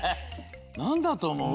なんだとおもう？